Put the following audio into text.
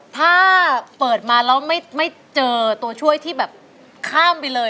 ถ้าเปิดมาแล้วไม่เจอตัวช่วยที่แบบข้ามไปเลย